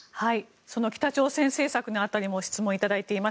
その北朝鮮政策の辺りも質問をいただいています。